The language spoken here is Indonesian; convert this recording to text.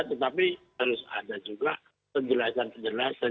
tetapi harus ada juga penjelasan penjelasan